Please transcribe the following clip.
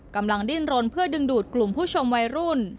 กำลังดิ้นรนเพื่อดึงดูดกลุ่มผู้ชมวัยรุ่น